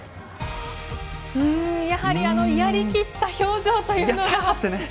やはりやりきった表情というのが。